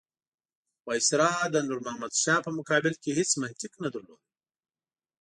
وایسرا د نور محمد شاه په مقابل کې هېڅ منطق نه درلود.